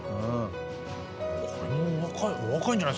これも若い。